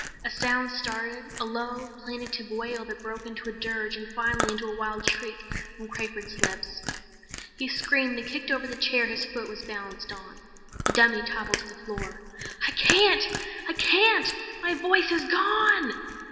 A sound started, a low, plaintive wail that broke into a dirge and finally into a wild shriek from Crawford's lips. He screamed and kicked over the chair his foot was balanced on. The dummy toppled to the floor. "I can't! I can't! My voice is gone!"